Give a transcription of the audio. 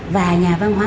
và nhà văn hóa